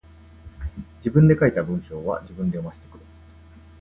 自分で書いた文章は自分で読ませてくれ。